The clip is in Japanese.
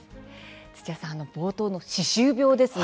土屋さん、冒頭の歯周病ですね